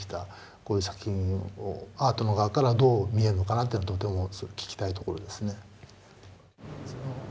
こういう作品をアートの側からどう見えるのかがとても聞きたいところですね。